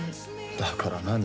だから何？